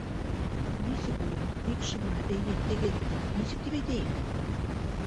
Нисек улай... бик шыма, эйе, теге... нисек тип әйтәйем...